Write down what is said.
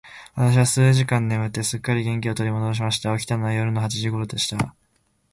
私は数時間眠って、すっかり元気を取り戻しました。起きたのは夜の八時頃でした。